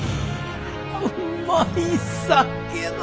うまい酒だ。